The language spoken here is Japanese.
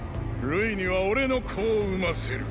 瑠衣には俺の子を産ませる。